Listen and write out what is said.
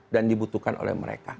dan dibutuhkan oleh mereka